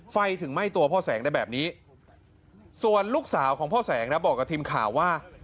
ไฟถึงไหม้ตัวพ่อแสงได้แบบนี้ส่วนลูกสาวของพ่อแสงครับบอกกับทีมข่าวว่า